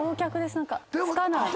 何かつかない。